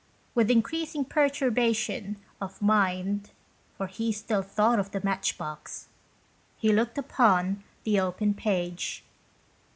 With increasing pertur bation of mind (for he still thought of the matchbox) he looked upon the open page.